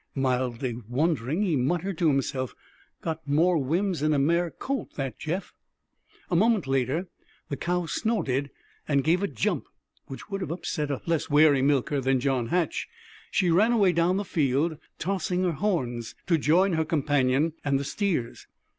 Mildly wondering, he muttered to himself: "Got more whims 'n a mare colt, that Jeff!" A moment later the cow snorted and gave a jump which would have upset a less wary milker than John Hatch. She ran away down the field, tossing her horns, to join her companion and the steers.